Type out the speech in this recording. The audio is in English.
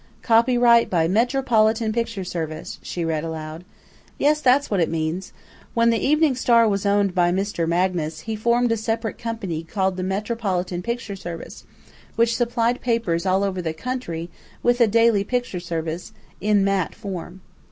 "'Copyright by Metropolitan Picture Service'," she read aloud. "Yes, that's what it means. When The Evening Star was owned by Mr. Magnus, he formed a separate company called the Metropolitan Picture Service, which supplied papers all over the country with a daily picture service, in mat form.